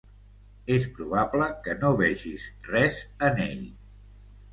És probable que no vegis res en ell.